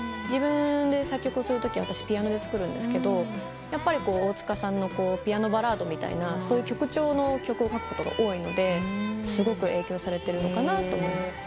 自分で作曲をするときはピアノで作るんですけどやっぱり大塚さんのピアノバラードみたいなそういう曲調の曲を書くことが多いのですごく影響されてるのかなと思います。